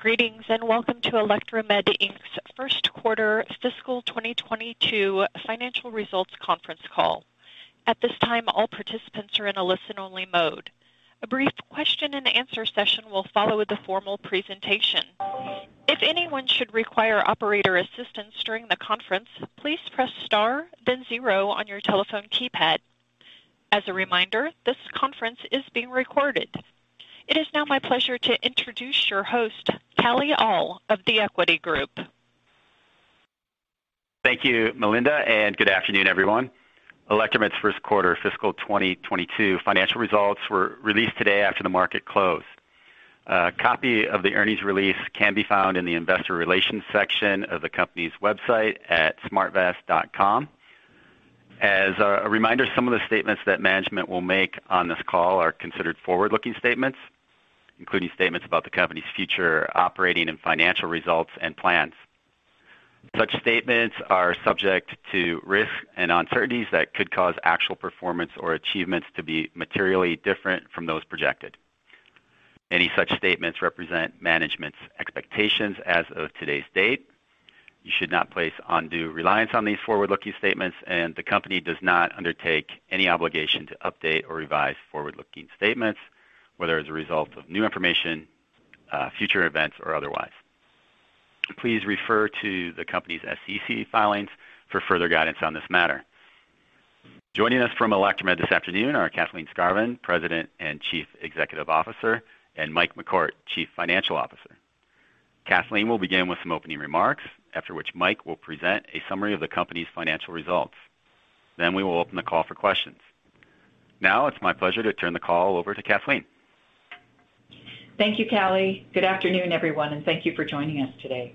Greetings, and welcome to Electromed Inc's first quarter fiscal 2022 financial results conference call. At this time, all participants are in a listen-only mode. A brief question and answer session will follow the formal presentation. If anyone should require operator assistance during the conference, please press star then zero on your telephone keypad. As a reminder, this conference is being recorded. It is now my pleasure to introduce your host, Kalle Ahl of The Equity Group. Thank you, Melinda, and good afternoon, everyone. Electromed's first quarter fiscal 2022 financial results were released today after the market closed. A copy of the earnings release can be found in the investor relations section of the company's website at smartvest.com. As a reminder, some of the statements that management will make on this call are considered forward-looking statements, including statements about the company's future operating and financial results and plans. Such statements are subject to risks and uncertainties that could cause actual performance or achievements to be materially different from those projected. Any such statements represent management's expectations as of today's date. You should not place undue reliance on these forward-looking statements, and the company does not undertake any obligation to update or revise forward-looking statements, whether as a result of new information, future events or otherwise. Please refer to the company's SEC filings for further guidance on this matter. Joining us from Electromed this afternoon are Kathleen Skarvan, President and Chief Executive Officer, and Mike MacCourt, Chief Financial Officer. Kathleen will begin with some opening remarks, after which Mike will present a summary of the company's financial results. Then we will open the call for questions. Now it's my pleasure to turn the call over to Kathleen. Thank you, Kalle. Good afternoon, everyone, and thank you for joining us today.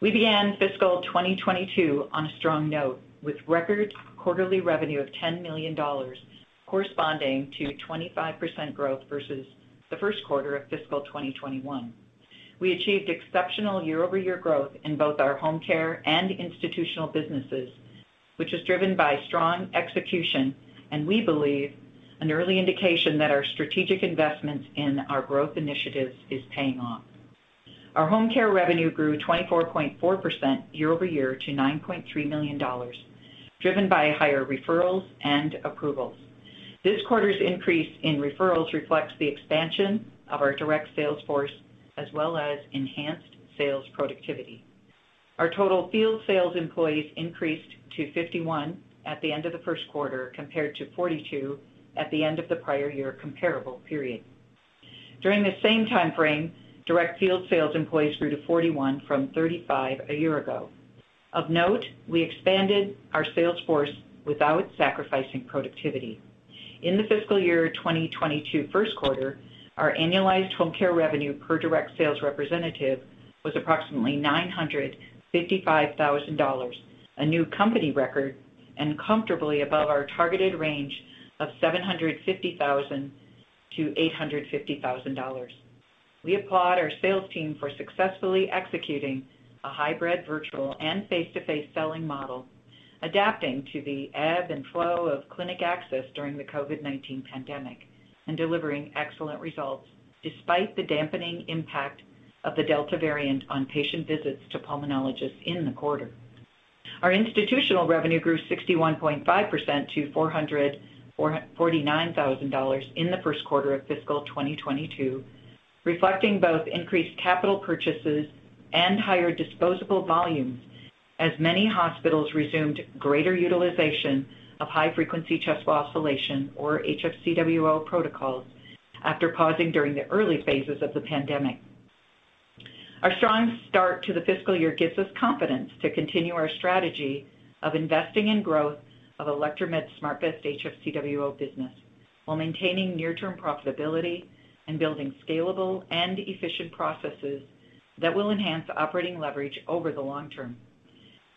We began fiscal 2022 on a strong note with record quarterly revenue of $10 million, corresponding to 25% growth versus the first quarter of fiscal 2021. We achieved exceptional year-over-year growth in both our home care and institutional businesses, which is driven by strong execution and we believe an early indication that our strategic investments in our growth initiatives is paying off. Our home care revenue grew 24.4% year-over-year to $9.3 million, driven by higher referrals and approvals. This quarter's increase in referrals reflects the expansion of our direct sales force as well as enhanced sales productivity. Our total field sales employees increased to 51 at the end of the first quarter compared to 42 at the end of the prior year comparable period. During the same timeframe, direct field sales employees grew to 41 from 35 a year ago. Of note, we expanded our sales force without sacrificing productivity. In the fiscal year 2022 first quarter, our annualized home care revenue per direct sales representative was approximately $955,000, a new company record and comfortably above our targeted range of $750,000-$850,000. We applaud our sales team for successfully executing a hybrid virtual and face-to-face selling model, adapting to the ebb and flow of clinic access during the COVID-19 pandemic and delivering excellent results despite the dampening impact of the Delta variant on patient visits to pulmonologists in the quarter. Our institutional revenue grew 61.5% to $449,000 in the first quarter of fiscal 2022, reflecting both increased capital purchases and higher disposable volumes as many hospitals resumed greater utilization of high-frequency chest wall oscillation or HFCWO protocols after pausing during the early phases of the pandemic. Our strong start to the fiscal year gives us confidence to continue our strategy of investing in growth of Electromed's SmartVest HFCWO business while maintaining near-term profitability and building scalable and efficient processes that will enhance operating leverage over the long term.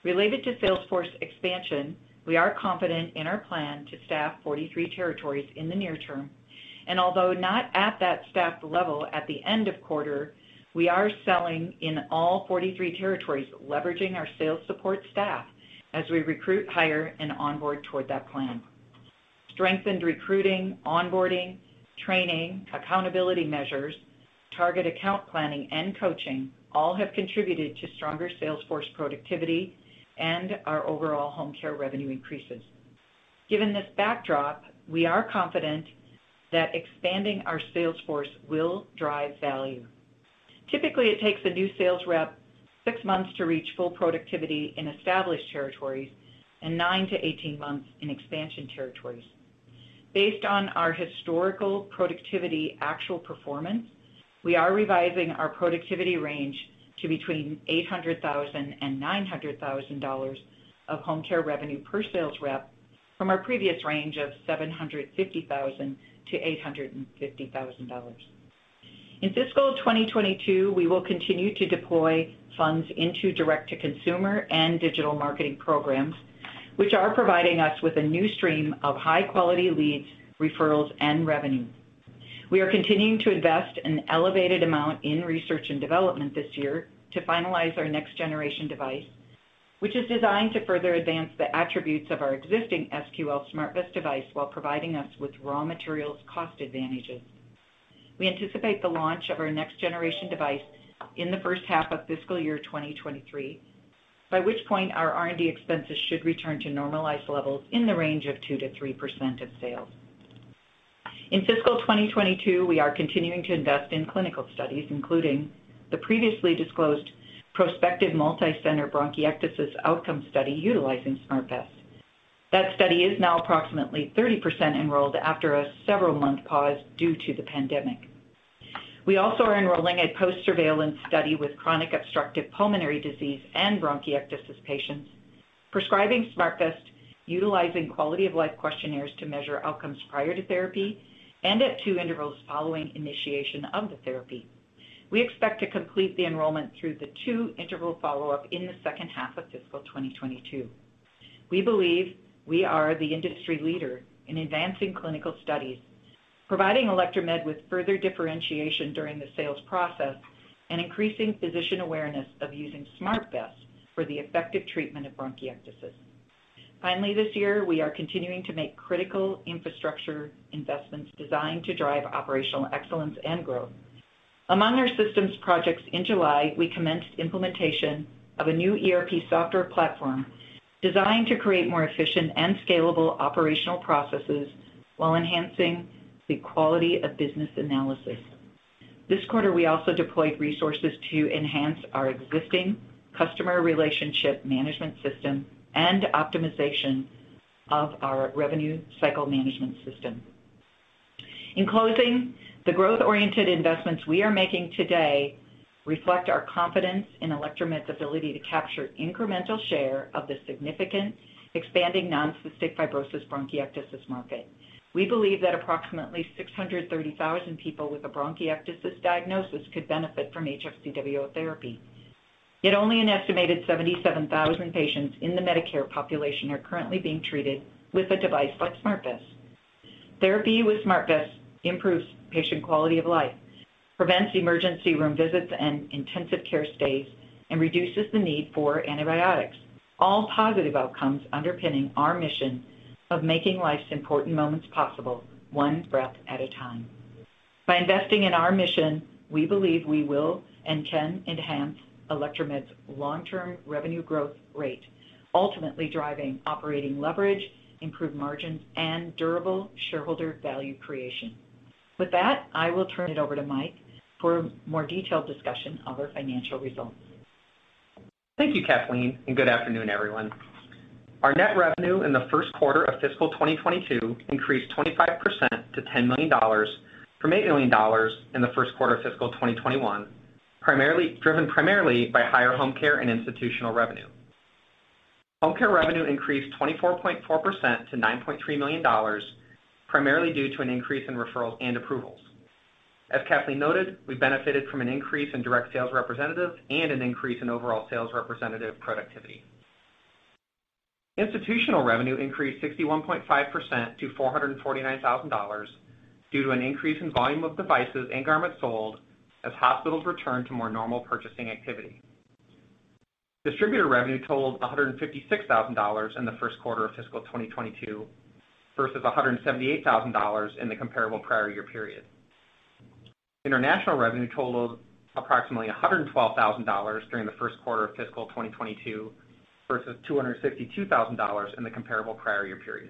Related to sales force expansion, we are confident in our plan to staff 43 territories in the near term. Although not at that staffed level at the end of quarter, we are selling in all 43 territories, leveraging our sales support staff as we recruit, hire, and onboard toward that plan. Strengthened recruiting, onboarding, training, accountability measures, target account planning, and coaching all have contributed to stronger sales force productivity and our overall home care revenue increases. Given this backdrop, we are confident that expanding our sales force will drive value. Typically, it takes a new sales rep 6 months to reach full productivity in established territories and 9-18 months in expansion territories. Based on our historical productivity actual performance, we are revising our productivity range to between $800,000 and $900,000 of home care revenue per sales rep from our previous range of $750,000-$850,000. In fiscal 2022, we will continue to deploy funds into direct-to-consumer and digital marketing programs, which are providing us with a new stream of high-quality leads, referrals, and revenue. We are continuing to invest an elevated amount in research and development this year to finalize our next generation device, which is designed to further advance the attributes of our existing SmartVest SQL device while providing us with raw materials cost advantages. We anticipate the launch of our next generation device in the first half of fiscal year 2023, by which point our R&D expenses should return to normalized levels in the range of 2%-3% of sales. In fiscal 2022, we are continuing to invest in clinical studies, including the previously disclosed prospective multicenter bronchiectasis outcome study utilizing SmartVest. That study is now approximately 30% enrolled after a several-month pause due to the pandemic. We also are enrolling a post-surveillance study with chronic obstructive pulmonary disease and bronchiectasis patients, prescribing SmartVest, utilizing quality of life questionnaires to measure outcomes prior to therapy and at two intervals following initiation of the therapy. We expect to complete the enrollment through the two-interval follow-up in the second half of fiscal 2022. We believe we are the industry leader in advancing clinical studies, providing Electromed with further differentiation during the sales process and increasing physician awareness of using SmartVest for the effective treatment of bronchiectasis. Finally, this year, we are continuing to make critical infrastructure investments designed to drive operational excellence and growth. Among our systems projects in July, we commenced implementation of a new ERP software platform designed to create more efficient and scalable operational processes while enhancing the quality of business analysis. This quarter, we also deployed resources to enhance our existing customer relationship management system and optimization of our revenue cycle management system. In closing, the growth-oriented investments we are making today reflect our confidence in Electromed's ability to capture incremental share of the significant expanding non-cystic fibrosis bronchiectasis market. We believe that approximately 630,000 people with a bronchiectasis diagnosis could benefit from HFCWO therapy. Yet only an estimated 77,000 patients in the Medicare population are currently being treated with a device like SmartVest. Therapy with SmartVest improves patient quality of life, prevents emergency room visits and intensive care stays, and reduces the need for antibiotics, all positive outcomes underpinning our mission of making life's important moments possible, one breath at a time. By investing in our mission, we believe we will and can enhance Electromed's long-term revenue growth rate, ultimately driving operating leverage, improved margins, and durable shareholder value creation. With that, I will turn it over to Mike for a more detailed discussion of our financial results. Thank you, Kathleen, and good afternoon, everyone. Our net revenue in the first quarter of fiscal 2022 increased 25% to $10 million from $8 million in the first quarter of fiscal 2021, primarily driven primarily by higher home care and institutional revenue. Home care revenue increased 24.4% to $9.3 million, primarily due to an increase in referrals and approvals. As Kathleen noted, we benefited from an increase in direct sales representatives and an increase in overall sales representative productivity. Institutional revenue increased 61.5% to $449,000 due to an increase in volume of devices and garments sold as hospitals returned to more normal purchasing activity. Distributor revenue totaled $156,000 in the first quarter of fiscal 2022 versus $178,000 in the comparable prior year period. International revenue totaled approximately $112,000 during the first quarter of fiscal 2022 versus $262,000 in the comparable prior year period.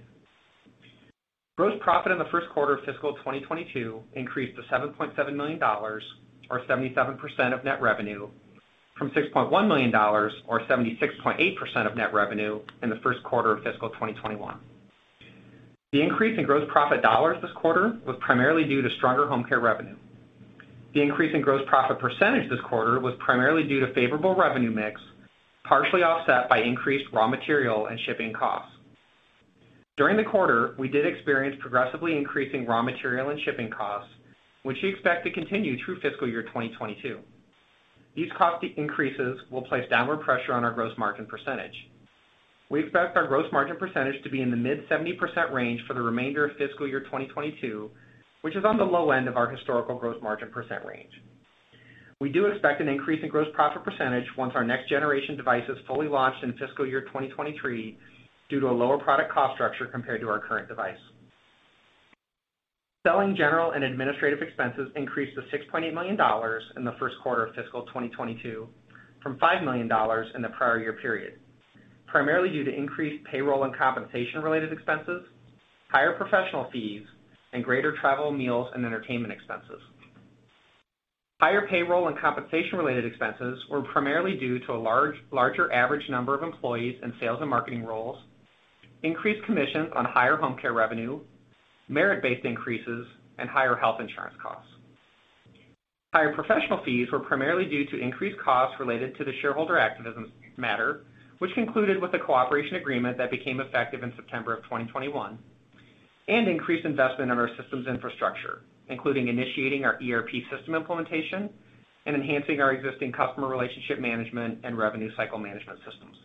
Gross profit in the first quarter of fiscal 2022 increased to $7.7 million or 77% of net revenue from $6.1 million or 76.8% of net revenue in the first quarter of fiscal 2021. The increase in gross profit dollars this quarter was primarily due to stronger home care revenue. The increase in gross profit percentage this quarter was primarily due to favorable revenue mix, partially offset by increased raw material and shipping costs. During the quarter, we did experience progressively increasing raw material and shipping costs, which we expect to continue through fiscal year 2022. These cost increases will place downward pressure on our gross margin percentage. We expect our gross margin percentage to be in the mid 70% range for the remainder of fiscal year 2022, which is on the low end of our historical gross margin percent range. We do expect an increase in gross profit percentage once our next generation device is fully launched in fiscal year 2023 due to a lower product cost structure compared to our current device. Selling, general, and administrative expenses increased to $6.8 million in the first quarter of fiscal 2022 from $5 million in the prior year period, primarily due to increased payroll and compensation related expenses, higher professional fees, and greater travel, meals, and entertainment expenses. Higher payroll and compensation related expenses were primarily due to a larger average number of employees in sales and marketing roles, increased commissions on higher home care revenue, merit-based increases, and higher health insurance costs. Higher professional fees were primarily due to increased costs related to the shareholder activism matter, which concluded with a cooperation agreement that became effective in September of 2021, and increased investment in our systems infrastructure, including initiating our ERP system implementation and enhancing our existing customer relationship management and revenue cycle management systems.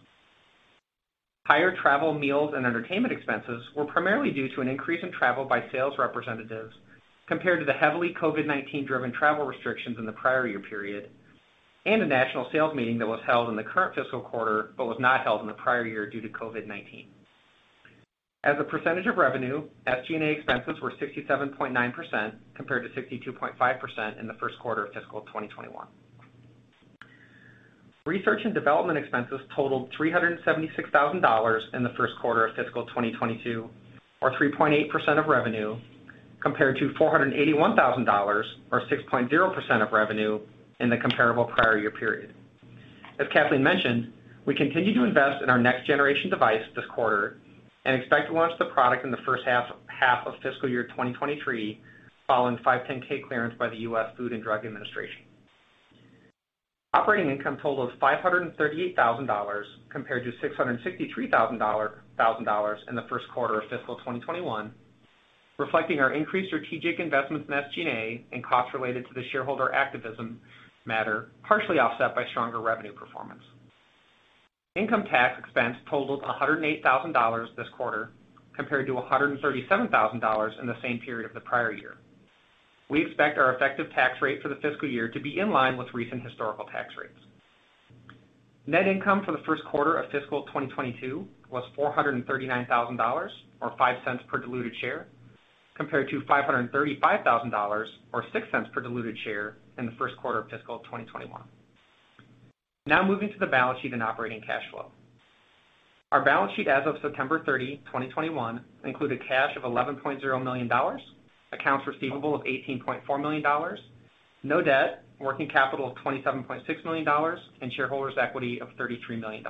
Higher travel, meals, and entertainment expenses were primarily due to an increase in travel by sales representatives compared to the heavily COVID-19 driven travel restrictions in the prior year period and a national sales meeting that was held in the current fiscal quarter but was not held in the prior year due to COVID-19. As a percentage of revenue, SG&A expenses were 67.9% compared to 62.5% in the first quarter of fiscal 2021. Research and development expenses totaled $376,000 in the first quarter of fiscal 2022, or 3.8% of revenue, compared to $481,000, or 6.0% of revenue, in the comparable prior year period. As Kathleen mentioned, we continue to invest in our next generation device this quarter and expect to launch the product in the first half of fiscal year 2023, following 510(k) clearance by the U.S. Food and Drug Administration. Operating income totaled $538,000 compared to $663,000 in the first quarter of fiscal 2021, reflecting our increased strategic investments in SG&A and costs related to the shareholder activism matter, partially offset by stronger revenue performance. Income tax expense totaled $108,000 this quarter, compared to $137,000 in the same period of the prior year. We expect our effective tax rate for the fiscal year to be in line with recent historical tax rates. Net income for the first quarter of fiscal 2022 was $439,000, or $0.05 per diluted share, compared to $535,000, or $0.06 per diluted share in the first quarter of fiscal 2021. Now moving to the balance sheet and operating cash flow. Our balance sheet as of September 30, 2021, included cash of $11.0 million, accounts receivable of $18.4 million, no debt, working capital of $27.6 million, and shareholders' equity of $33 million.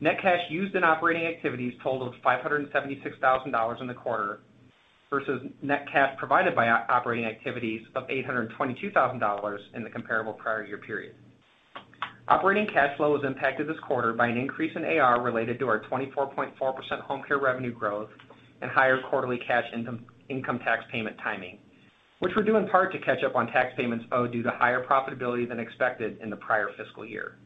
Net cash used in operating activities totaled $576,000 in the quarter versus net cash provided by operating activities of $822,000 in the comparable prior year period. Operating cash flow was impacted this quarter by an increase in AR related to our 24.4% home care revenue growth and higher quarterly cash income tax payment timing, which we're due in part to catch up on tax payments owed due to higher profitability than expected in the prior fiscal year.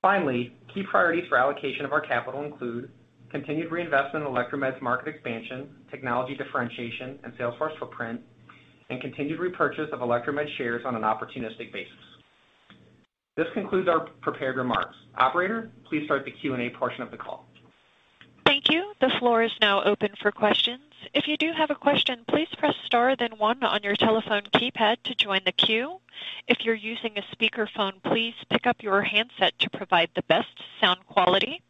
Finally, key priorities for allocation of our capital include continued reinvestment in Electromed's market expansion, technology differentiation, and sales force footprint, and continued repurchase of Electromed shares on an opportunistic basis. This concludes our prepared remarks. Operator, please start the Q&A portion of the call. Thank you. The floor is now open for questions. If you do have a question, please press star then one on your telephone keypad to join the queue. If you're using a speaker phone, please pick up your handset to provide the best sound quality.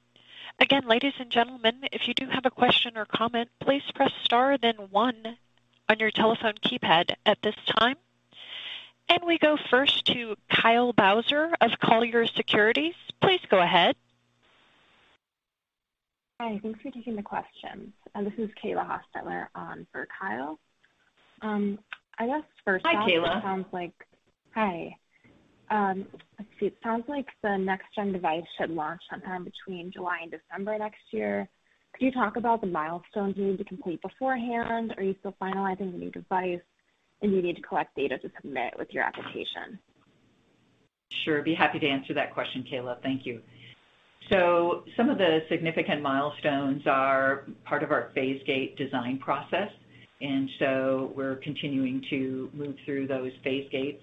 Again, ladies and gentlemen, if you do have a question or comment, please press star then one on your telephone keypad at this time. We go first to Kyle Bauser of Colliers Securities. Please go ahead. Hi. Thanks for taking the questions. This is Kayla Hostetler on for Kyle. I guess first off. Hi, Kayla. Hi. It sounds like the next gen device should launch sometime between July and December next year. Could you talk about the milestones you need to complete beforehand? Are you still finalizing the new device and you need to collect data to submit with your application? Sure. Be happy to answer that question, Kayla. Thank you. Some of the significant milestones are part of our phase gate design process, and we're continuing to move through those phase gates.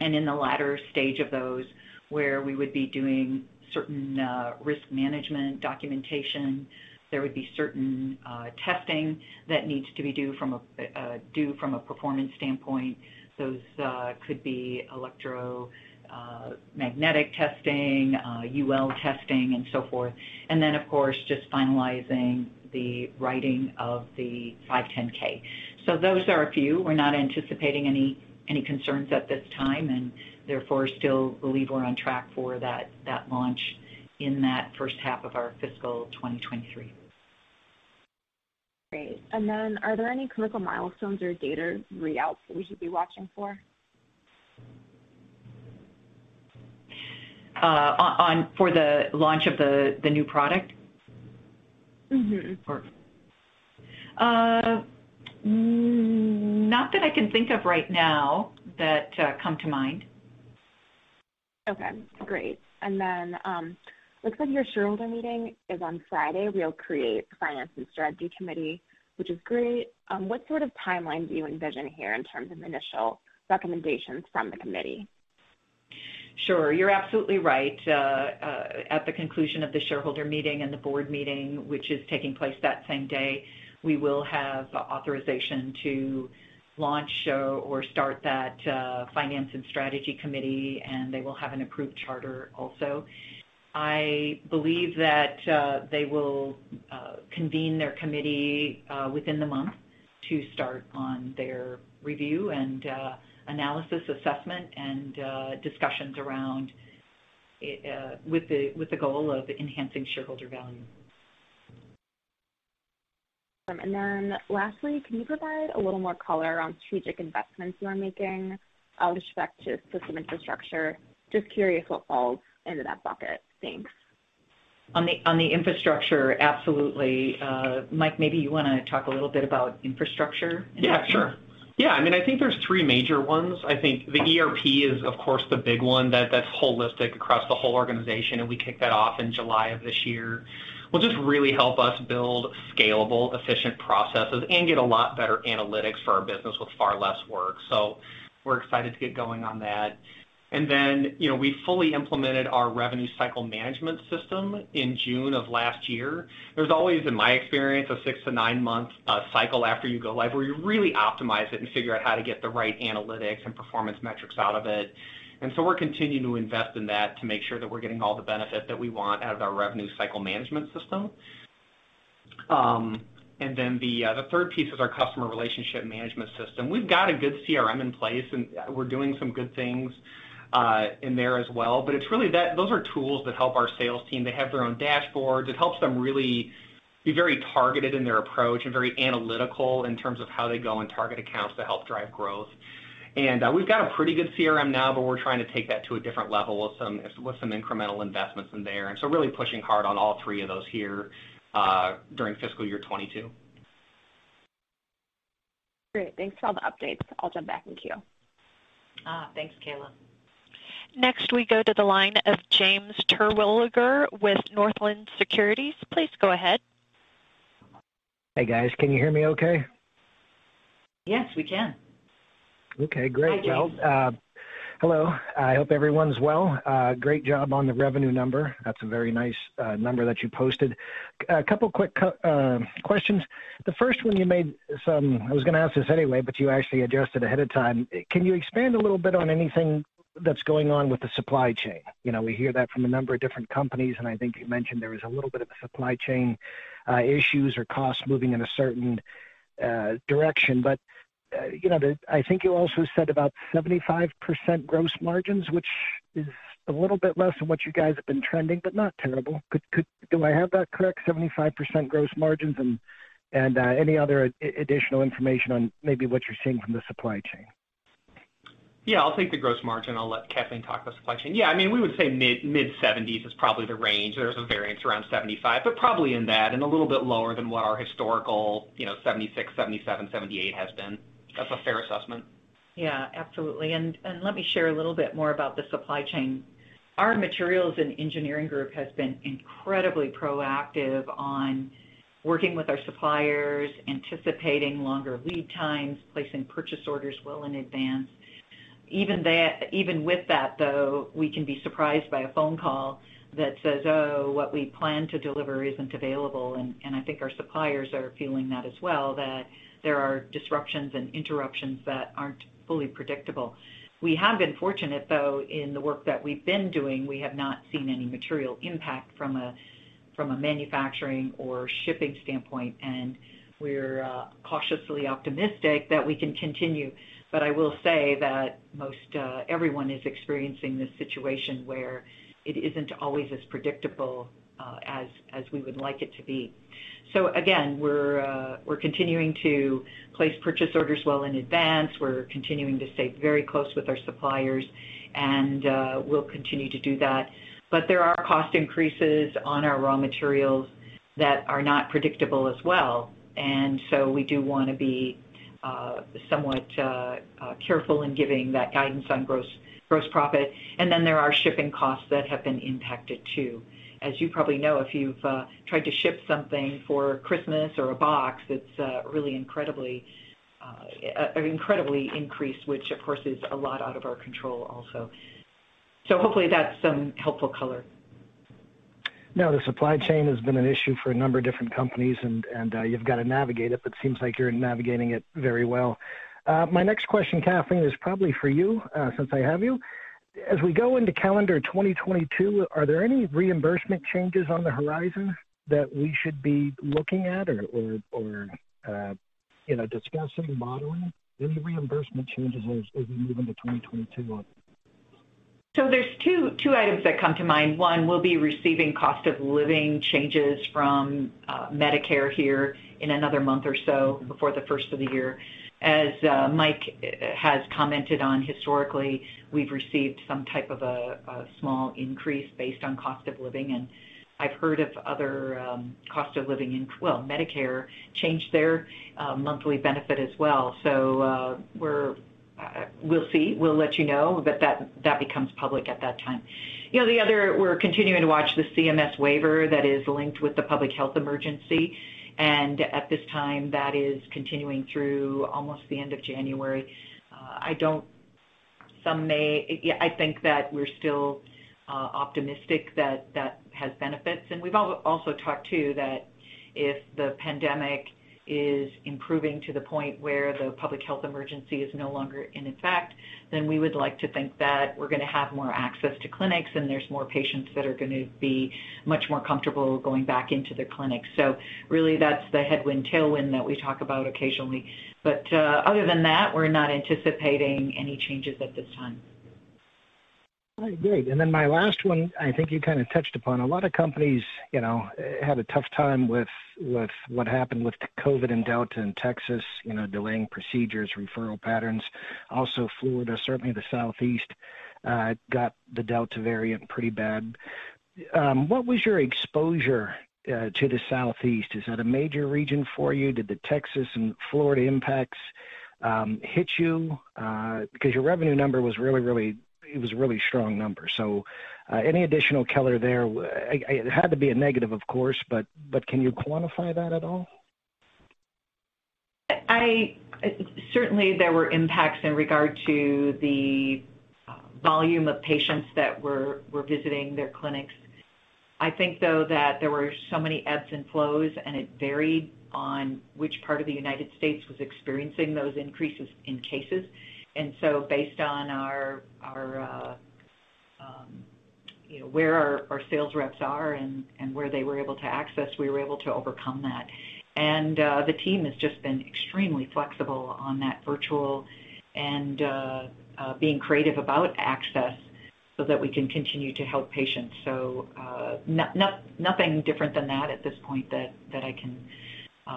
In the latter stage of those, where we would be doing certain risk management documentation, there would be certain testing that needs to be done from a performance standpoint. Those could be electromagnetic testing, UL testing and so forth. Then, of course, just finalizing the writing of the 510(k). Those are a few. We're not anticipating any concerns at this time and therefore still believe we're on track for that launch in that first half of our fiscal 2023. Great. Are there any clinical milestones or data readouts that we should be watching for? On for the launch of the new product? Mm-hmm. Not that I can think of right now that come to mind. Okay, great. Looks like your shareholder meeting is on Friday. We'll create the Finance and Strategy Committee, which is great. What sort of timeline do you envision here in terms of initial recommendations from the committee? Sure. You're absolutely right. At the conclusion of the shareholder meeting and the board meeting, which is taking place that same day, we will have authorization to launch or start that Finance and Strategy Committee, and they will have an approved charter also. I believe that they will convene their committee within the month to start on their review and analysis assessment and discussions around with the goal of enhancing shareholder value. Lastly, can you provide a little more color around strategic investments you are making with respect to system infrastructure? Just curious what falls into that bucket. Thanks. On the infrastructure, absolutely. Mike, maybe you wanna talk a little bit about infrastructure investment? Yeah, sure. Yeah, I mean, I think there's three major ones. I think the ERP is, of course, the big one that's holistic across the whole organization, and we kicked that off in July of this year. It will just really help us build scalable, efficient processes and get a lot better analytics for our business with far less work. We're excited to get going on that. You know, we fully implemented our revenue cycle management system in June of last year. There's always, in my experience, a 6- to 9-month cycle after you go live, where you really optimize it and figure out how to get the right analytics and performance metrics out of it. We're continuing to invest in that to make sure that we're getting all the benefit that we want out of our revenue cycle management system. The third piece is our customer relationship management system. We've got a good CRM in place, and we're doing some good things in there as well. It's really that those are tools that help our sales team. They have their own dashboards. It helps them really be very targeted in their approach and very analytical in terms of how they go and target accounts to help drive growth. We've got a pretty good CRM now, but we're trying to take that to a different level with some incremental investments in there. Really pushing hard on all three of those here during fiscal year 2022. Great. Thanks for all the updates. I'll jump back in queue. Thanks, Kayla. Next we go to the line of James Terwilliger with Northland Securities. Please go ahead. Hey, guys. Can you hear me okay? Yes, we can. Okay, great. Hi, James. Well, hello. I hope everyone's well. Great job on the revenue number. That's a very nice number that you posted. A couple quick questions. The first one I was gonna ask this anyway, but you actually addressed it ahead of time. Can you expand a little bit on anything that's going on with the supply chain? You know, we hear that from a number of different companies, and I think you mentioned there was a little bit of a supply chain issues or costs moving in a certain direction. You know, I think you also said about 75% gross margins, which is a little bit less than what you guys have been trending, but not terrible. Could. Do I have that correct, 75% gross margins? Any other additional information on maybe what you're seeing from the supply chain? Yeah, I'll take the gross margin. I'll let Kathleen talk about the supply chain. Yeah, I mean, we would say mid-70s% is probably the range. There's a variance around 75%, but probably in that and a little bit lower than what our historical, you know, 76%-78% has been. That's a fair assessment. Yeah, absolutely. Let me share a little bit more about the supply chain. Our materials and engineering group has been incredibly proactive on working with our suppliers, anticipating longer lead times, placing purchase orders well in advance. Even with that, though, we can be surprised by a phone call that says, "Oh, what we plan to deliver isn't available." I think our suppliers are feeling that as well, that there are disruptions and interruptions that aren't fully predictable. We have been fortunate, though, in the work that we've been doing. We have not seen any material impact from a manufacturing or shipping standpoint, and we're cautiously optimistic that we can continue. I will say that most everyone is experiencing this situation where it isn't always as predictable as we would like it to be. Again, we're continuing to place purchase orders well in advance. We're continuing to stay very close with our suppliers, and we'll continue to do that. There are cost increases on our raw materials that are not predictable as well, and so we do wanna be somewhat careful in giving that guidance on gross profit. Then there are shipping costs that have been impacted too. As you probably know, if you've tried to ship something for Christmas or a box, it's really incredibly increased, which of course is a lot out of our control also. Hopefully that's some helpful color. No, the supply chain has been an issue for a number of different companies, and you've got to navigate it, but seems like you're navigating it very well. My next question, Kathleen, is probably for you, since I have you. As we go into calendar 2022, are there any reimbursement changes on the horizon that we should be looking at or you know, discussing, modeling? Any reimbursement changes as we move into 2022 on? There's two items that come to mind. One, we'll be receiving cost of living changes from Medicare here in another month or so before the first of the year. As Mike has commented on historically, we've received some type of a small increase based on cost of living, and I've heard of other cost of living. Well, Medicare changed their monthly benefit as well. We'll see. We'll let you know, but that becomes public at that time. You know, the other, we're continuing to watch the CMS waiver that is linked with the public health emergency, and at this time, that is continuing through almost the end of January. Yeah, I think that we're still optimistic that that has benefits. We've also talked to that if the pandemic is improving to the point where the public health emergency is no longer in effect, then we would like to think that we're gonna have more access to clinics, and there's more patients that are gonna be much more comfortable going back into the clinic. So really that's the headwind, tailwind that we talk about occasionally. But other than that, we're not anticipating any changes at this time. All right, great. Then my last one, I think you kinda touched upon. A lot of companies, you know, had a tough time with what happened with COVID and Delta in Texas, you know, delaying procedures, referral patterns. Also Florida, certainly the Southeast got the Delta variant pretty bad. What was your exposure to the Southeast? Is that a major region for you? Did the Texas and Florida impacts hit you? Because your revenue number was really strong. Any additional color there? It had to be a negative of course, but can you quantify that at all? Certainly there were impacts in regard to the volume of patients that were visiting their clinics. I think, though, that there were so many ebbs and flows, and it varied on which part of the United States was experiencing those increases in cases. Based on our you know where our sales reps are and where they were able to access, we were able to overcome that. The team has just been extremely flexible on that virtual and being creative about access so that we can continue to help patients. Nothing different than that at this point that I can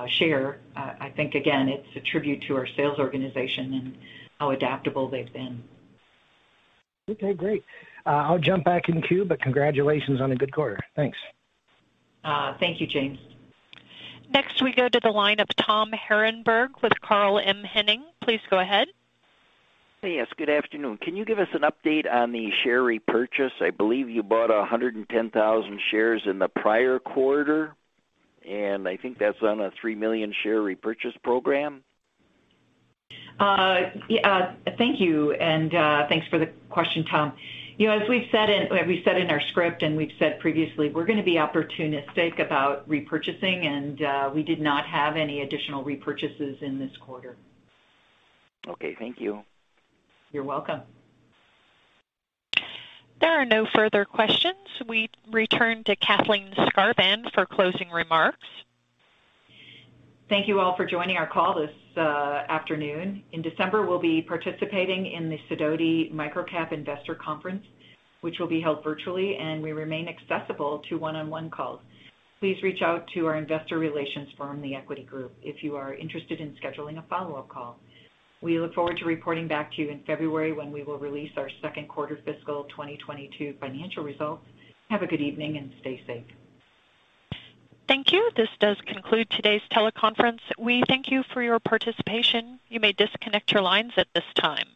share. I think again it's a tribute to our sales organization and how adaptable they've been. Okay, great. I'll jump back in queue, but congratulations on a good quarter. Thanks. Thank you, James. Next we go to the line of Tom Harenburg with Carl M. Hennig. Please go ahead. Yes, good afternoon. Can you give us an update on the share repurchase? I believe you bought 110,000 shares in the prior quarter, and I think that's on a 3 million share repurchase program. Thank you and thanks for the question, Tom. You know, as we've said in our script and we've said previously, we're gonna be opportunistic about repurchasing, and we did not have any additional repurchases in this quarter. Okay, thank you. You're welcome. There are no further questions. We return to Kathleen Skarvan for closing remarks. Thank you all for joining our call this afternoon. In December, we'll be participating in the Sidoti Micro-Cap Investor Conference, which will be held virtually, and we remain accessible to one-on-one calls. Please reach out to our investor relations firm, The Equity Group, if you are interested in scheduling a follow-up call. We look forward to reporting back to you in February when we will release our second quarter fiscal 2022 financial results. Have a good evening and stay safe. Thank you. This does conclude today's teleconference. We thank you for your participation. You may disconnect your lines at this time.